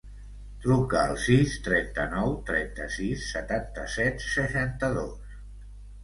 Truca al sis, trenta-nou, trenta-sis, setanta-set, seixanta-dos.